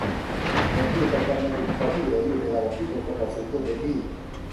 ขึ้นอยู่กับจำนวนบิตคอยน์ที่เหลืออยู่ในระบบที่ถูกกำหนดสูงสุดไว้ที่